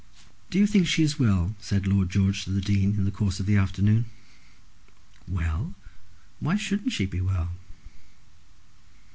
"Do you think she is well," said Lord George to the Dean in the course of the afternoon. "Well? why shouldn't she be well!"